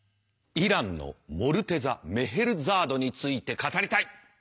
イランのモルテザ・メヘルザードについて語りたい！